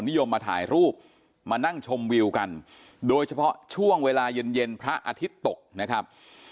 นิยมมาถ่ายรูปมานั่งชมวิวกันโดยเฉพาะช่วงเวลาเย็นเย็นพระอาทิตย์ตกนะครับ